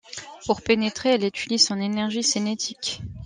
Pour pénétrer, elle utilise son énergie cinétique.